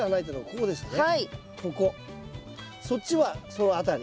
そっちはその辺り。